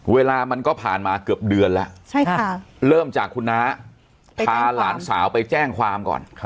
เวลามันก็ผ่านมาเกือบเดือนแล้วเริ่มจากคุณน้าพาหลานสาวไปแจ้งความก่อน